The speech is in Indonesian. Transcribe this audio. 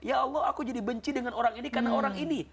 ya allah aku jadi benci dengan orang ini karena orang ini